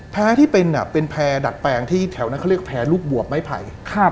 ที่เป็นเป็นแพร่ดัดแปลงที่แถวนั้นเขาเรียกแพ้ลูกบวบไม้ไผ่